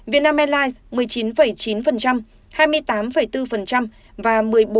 vietnam airlines một mươi chín chín hai mươi tám bốn và một mươi bốn chín